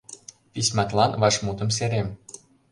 — Письматлан вашмутым серем.